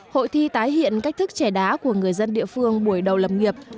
hội thi tái hiện cách thức trẻ đá của người dân địa phương buổi đầu lập nghiệp